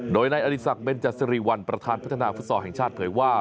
โดยนายอริสักเบนจสิริวัลประธานพัฒนาฟุตซอลแห่งชาติเผยว่า